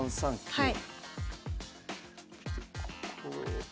はい。